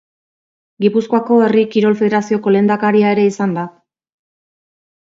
Gipuzkoako Herri Kirol Federazioko lehendakaria ere izan da.